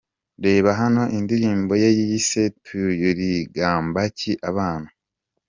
Reba hano indirimbo ye yise Tuligambaki abaana?.